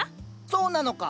そなのか。